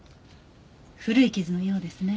古い傷のようですね。